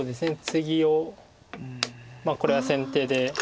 ツギをまあこれは先手で。